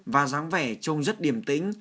và dáng vẻ trông rất điểm tính